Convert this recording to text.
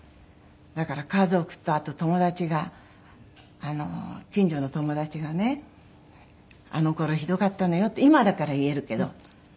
だから家族とあと友達が近所の友達がね「あの頃ひどかったのよ」って今だから言えるけど。